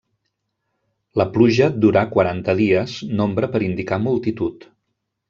La pluja durà quaranta dies, nombre per indicar multitud.